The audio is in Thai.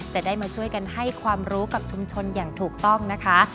จะได้มาช่วยกันให้ความรู้กับชุมชนอย่างถูกต้องนะคะ